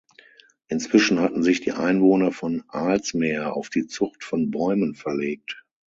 Inzwischen hatten sich die Einwohner von Aalsmeer auf die Zucht von Bäumen verlegt.